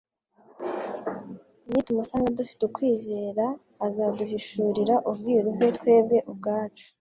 Nitumusanga dufite kwizera, azaduhishurira ubwiru bwe twebwe ubwacu.